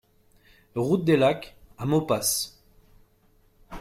Route des Lacs à Maupas